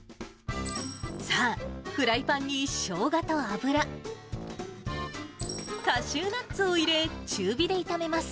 さあ、フライパンにしょうがと油、カシューナッツを入れ、中火で炒めます。